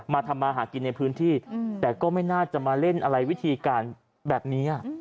ทำมาหากินในพื้นที่แต่ก็ไม่น่าจะมาเล่นอะไรวิธีการแบบนี้